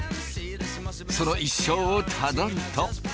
その一生をたどると。